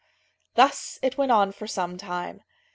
Thus it went on for some time.